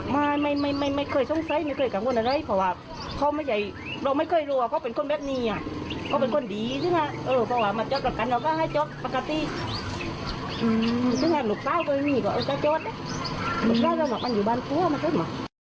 มันมีกว่าอุปกรณ์โจทย์นะมันอยู่บ้านเครือมันไม่ใช่หรอก